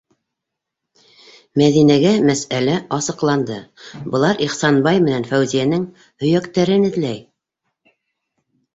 Мәҙинәгә мәсьәлә асыҡланды: былар Ихсанбай менән Фәүзиәнең һөйәктәрен эҙләй...